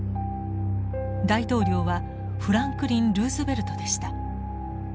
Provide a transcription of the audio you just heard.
大統領はフランクリン・ルーズベルトでした。